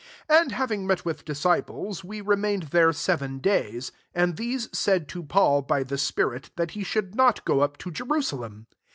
4 And having met with disciples we remained there seven days: and these said to Paul by the spirit, that he should not go up to Jerusalem.